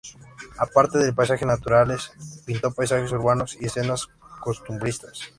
Aparte de paisajes naturales, pintó paisajes urbanos y escenas costumbristas.